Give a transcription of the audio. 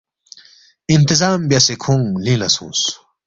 اِنتظام بیاسے کھونگ لِنگ لہ سونگس